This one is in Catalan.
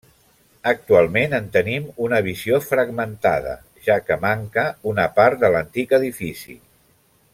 Actualment en tenim una visió fragmentada, ja que manca una part de l'antic edifici.